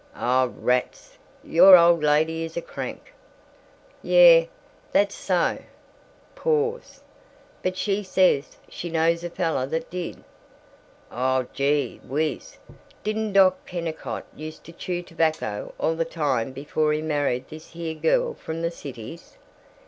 "Aw rats, your old lady is a crank." "Yuh, that's so." Pause. "But she says she knows a fella that did." "Aw, gee whiz, didn't Doc Kennicott used to chew tobacco all the time before he married this here girl from the Cities?